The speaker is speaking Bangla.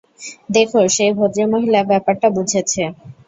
দেখো, সেই ভদ্রমহিলা ব্যাপারটা বুঝেছে!